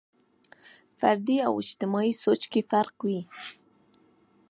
فردي او اجتماعي سوچ کې فرق وي.